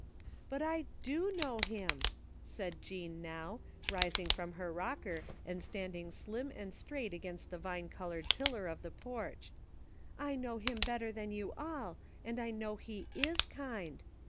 " But I d^ know him !" said Jean now, rising from her rocker and standing slim and straight against the vine covered pillar of the porch. " I know him better than you all, and I know he is kind.